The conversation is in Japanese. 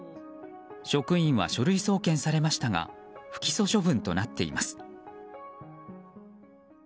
職員は書類送検されましたが不起訴処分となっています。